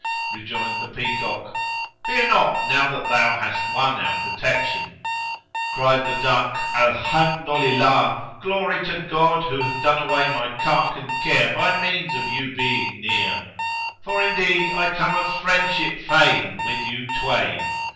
Rejoined the peacock, "Fear not now that thou hast won our protection." Cried the duck, "Alhamdolillah! glory to God, who hath done away my cark and care by means of you being near! For indeed I come of friendship fain with you twain."